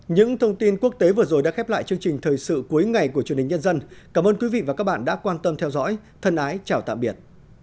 những thông tin quốc tế vừa rồi đã khép lại chương trình thời sự cuối ngày của truyền hình nhân dân cảm ơn quý vị và các bạn đã quan tâm theo dõi thân ái chào tạm biệt